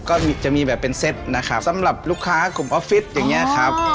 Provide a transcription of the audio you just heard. ก็จะมีแบบเป็นเซตนะครับสำหรับลูกค้ากลุ่มออฟฟิศอย่างเงี้ยครับ